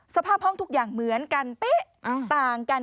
สภาพห้องทุกอย่างเหมือนกันเป๊ะต่างกัน